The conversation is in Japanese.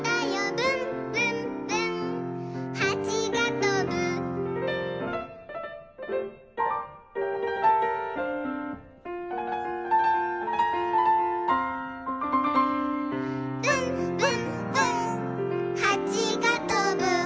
「ぶんぶんぶんはちがとぶ」「ぶんぶんぶんはちがとぶ」